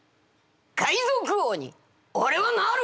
「海賊王におれはなる！」。